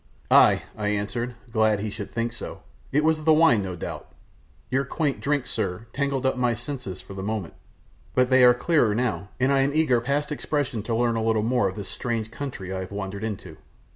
"Ay," I answered, glad he should think so, "it was the wine, no doubt; your quaint drink, sir, tangled up my senses for the moment, but they are clearer now, and I am eager past expression to learn a little more of this strange country I have wandered into."